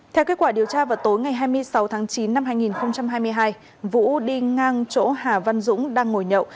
theo kết quả điều tra vào tối ngày hai mươi sáu tháng chín năm hai nghìn hai mươi hai vũ đi ngang chỗ hà văn dũng đang ngồi nhậu